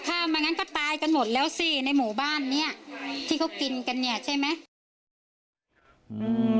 ถ้ามางั้นก็ตายกันหมดแล้วสิในหมู่บ้านเนี้ยที่เขากินกันเนี่ยใช่ไหม